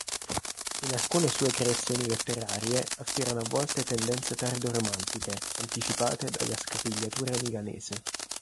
In alcune sue creazioni letterarie affiorano a volte tendenze tardo-romantiche anticipate dalla Scapigliatura milanese.